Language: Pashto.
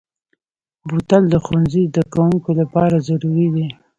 بوتل د ښوونځي زدهکوونکو لپاره ضروري دی.